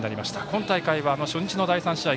今大会は初日の第３試合